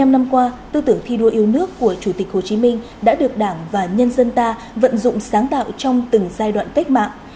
bảy mươi năm năm qua tư tưởng thi đua yêu nước của chủ tịch hồ chí minh đã được đảng và nhân dân ta vận dụng sáng tạo trong từng giai đoạn cách mạng